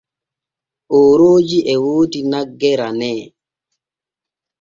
Oorooji e woodi nagge ranee.